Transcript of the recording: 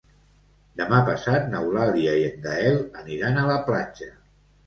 Demà passat n'Eulàlia i en Gaël aniran a la platja.